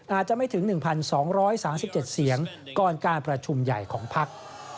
อาจจะไม่ถึง๑๒๓๗เสียงก่อนการประชุมใหญ่ของพัก